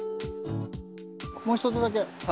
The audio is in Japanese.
もう一つだけ。